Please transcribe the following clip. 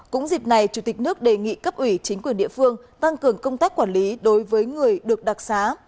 cũng dịp này chủ tịch nước đề nghị cấp ủy chính quyền địa phương tăng cường công tác quản lý đối với người được đặc xá